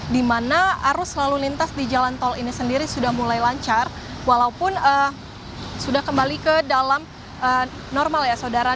di mana arus lalu lintas di jalan tol ini sendiri sudah mulai lancar walaupun sudah kembali ke dalam normal ya saudara